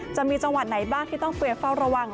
จะมีจังหวัดไหนบ้างที่ต้องเฟย์เฝ้าระวัง